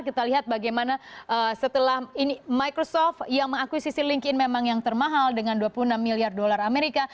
kita lihat bagaimana setelah microsoft yang mengakuisisi linkedin memang yang termahal dengan dua puluh enam miliar dolar amerika